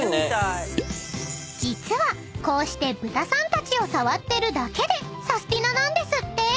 ［実はこうしてブタさんたちを触ってるだけでサスティななんですって。